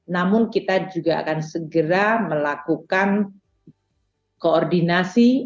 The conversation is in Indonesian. namun kita juga akan segera melakukan koordinasi